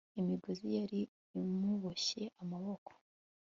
imigozi yari imuboshye amaboko